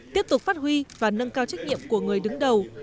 tiếp tục phát huy và nâng cao trách nhiệm của người đứng đầu